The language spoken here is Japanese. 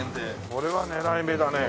これは狙い目だね。